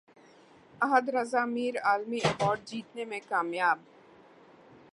احد رضا میر عالمی ایوارڈ جیتنے میں کامیاب